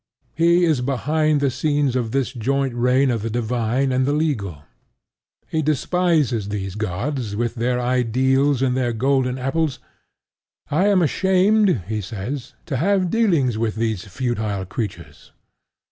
He is behind the scenes of this joint reign of the Divine and the Legal. He despises these gods with their ideals and their golden apples. "I am ashamed," he says, "to have dealings with these futile creatures."